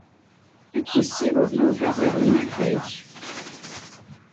Ad k-yessiweḍ Yuba ɣer unafag.